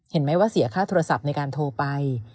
เห็นไหมว่าเสียค่าโทรศัพท์ในการโทรไป